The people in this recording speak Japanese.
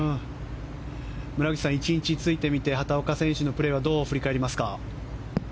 村口さん、１日ついてみて畑岡選手のプレーはどう振り返りますか。